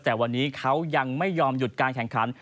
แต่วันนี้เขายังไม่ยอมหยุดการแข่งขัน